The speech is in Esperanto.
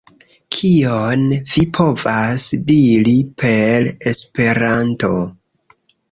Kion vi povas diri per Esperanto?